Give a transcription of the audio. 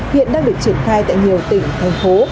hiện đang được triển khai tại nhiều tỉnh thành phố